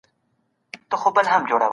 موږ د منابعو په لټه کي يو.